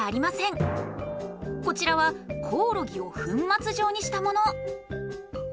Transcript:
こちらはコオロギを粉末状にしたもの。